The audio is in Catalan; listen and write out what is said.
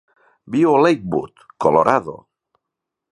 Viu a Lakewood, Colorado.